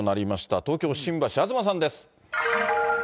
東京・新橋、東さんです。